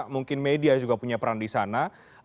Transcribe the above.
mungkin media juga punya peran di sana